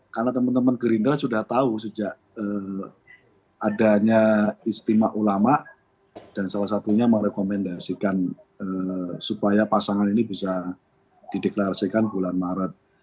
karena teman teman gerindra sudah tahu sejak adanya ijtima ulama dan salah satunya merekomendasikan supaya pasangan ini bisa dideklarasikan bulan maret